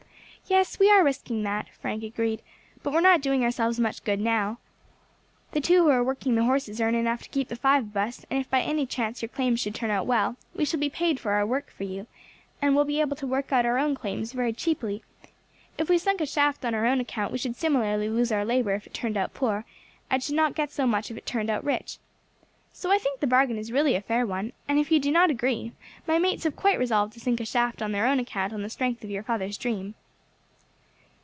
"Yes, we are risking that," Frank agreed, "but we are not doing ourselves much good now. The two who are working the horses earn enough to keep the five of us, and if by any chance your claims should turn out well, we shall be paid for our work for you, and will be able to work out our own claims very cheaply; if we sunk a shaft on our own account we should similarly lose our labour if it turned out poor, and should not get so much if it turned out rich. So I think the bargain is really a fair one; and if you do not agree, my mates have quite resolved to sink a shaft on their own account on the strength of your father's dream."